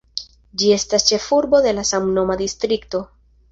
Ĝi estas ĉefurbo de la samnoma distrikto.